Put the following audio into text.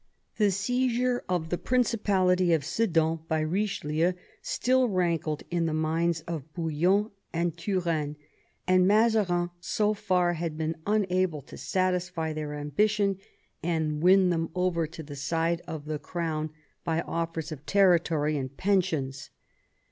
The seizure of the principality of Sedan by Eichelieu still rankled in the minds of Bouillon and Turenne, and Mazarin so far had been unable to satisfy their ambition and win them over to the side of the V THE EARLY YEAES OF THE NEW FRONDE 77 crown by offers of territory and pensions.